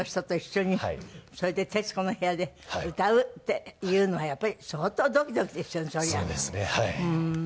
それで『徹子の部屋』で歌うっていうのはやっぱり相当ドキドキですよね？